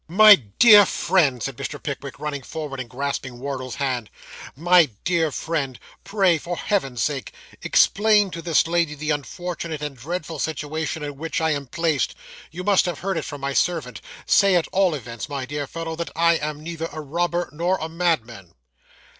'My dear friend,' said Mr. Pickwick, running forward and grasping Wardle's hand, 'my dear friend, pray, for Heaven's sake, explain to this lady the unfortunate and dreadful situation in which I am placed. You must have heard it from my servant; say, at all events, my dear fellow, that I am neither a robber nor a madman.